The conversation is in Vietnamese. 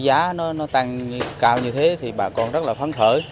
giá nó tăng cao như thế thì bà con rất là phán khảo